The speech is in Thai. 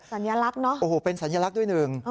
สัญลักษณ์เป็นสัญลักษณ์ด้วยหนึ่ง